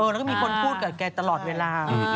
แล้วก็มีคนพูดกับแกตลอดเวลา